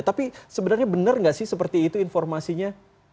tapi sebenarnya bener nggak sih seperti itu informasinya